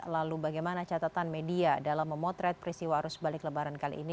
lalu bagaimana catatan media dalam memotret peristiwa arus balik lebaran kali ini